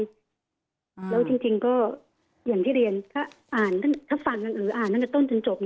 แล้วจริงก็อย่างที่เรียนถ้าฟังกันหรืออ่านตั้งแต่ต้นจนจบ